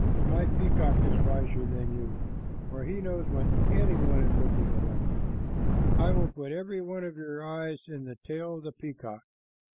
My peacock is wiser than you, for he knows when any one is looking at him. I will put every one of your eyes in the tail of the peacock."